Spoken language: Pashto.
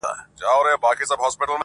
مور د ټولني فشار زغمي ډېر,